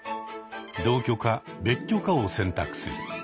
同居か別居かを選択する。